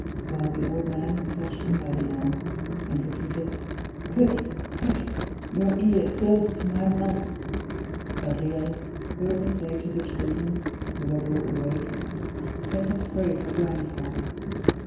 While the old man clutched him by the arm, and repeated, "Quick! quick! your ear close to my mouth," Gabriel heard her say to the children (who were both awake), "Let us pray for grandfather."